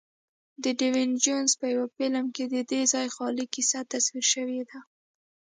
د ډیویډ جونز په یوه فلم کې ددې ځای خیالي کیسه تصویر شوې ده.